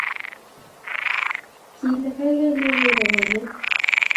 kile kei nekere konyek